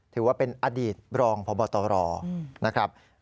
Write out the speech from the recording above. ถือว่าเป็นอดีตรองพบตรนะครับ